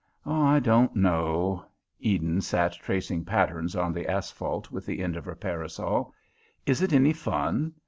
"I don't know," Eden sat tracing patterns on the asphalt with the end of her parasol. "Is it any fun?